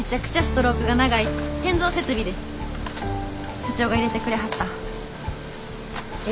社長が入れてくれはったええ